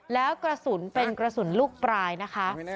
แล้วกระสุนเป็นกระสุนลูกปลายนะคะ